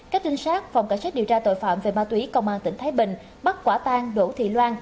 các trinh sát phòng cảnh sát điều tra tội phạm về ma túy công an tỉnh thái bình bắt quả tang đỗ thị loan